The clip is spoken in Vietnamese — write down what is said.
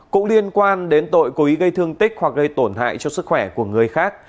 cũng liên quan đến tội cố ý gây thương tích hoặc gây tổn hại cho sức khỏe của người khác